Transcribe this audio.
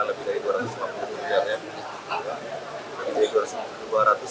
lebih dari dua ratus lima puluh miliar ya